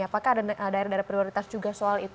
apakah ada daerah daerah prioritas juga